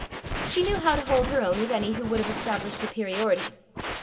She knew how to hold her own with any who would have established superiority.